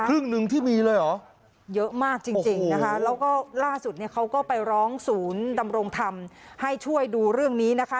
ครึ่งหนึ่งที่มีเลยเหรอเยอะมากจริงจริงนะคะแล้วก็ล่าสุดเนี่ยเขาก็ไปร้องศูนย์ดำรงธรรมให้ช่วยดูเรื่องนี้นะคะ